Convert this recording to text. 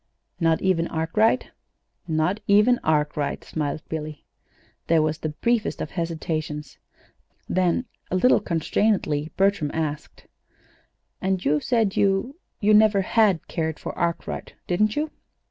"Not even Arkwright?" "Not even Arkwright," smiled Billy. There was the briefest of hesitations; then, a little constrainedly, Bertram asked: "And you said you you never had cared for Arkwright, didn't you?"